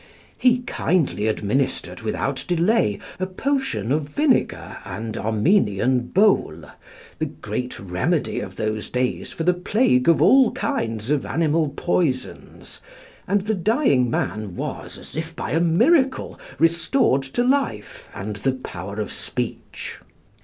He kindly administered without delay a potion of vinegar and Armenian bole, the great remedy of those days for the plague of all kinds of animal poisons, and the dying man was, as if by a miracle, restored to life and the power of speech.